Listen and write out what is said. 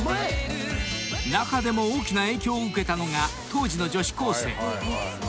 ［中でも大きな影響を受けたのが当時の女子高生］